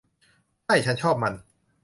ใช่ ฉันชอบมัน